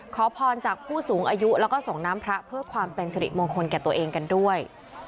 ขอพรจากผู้สูงอายุแล้วก็ส่งน้ำพระเพื่อความเป็นสิริมงคลแก่ตัวเองกันด้วย